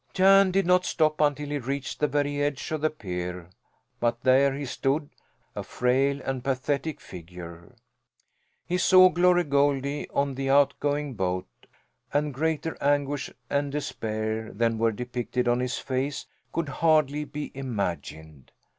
Jan did not stop until he reached the very edge of the pier; but there he stood a frail and pathetic figure. He saw Glory Goldie on the outgoing boat and greater anguish and despair than were depicted on his face could hardly be imagined.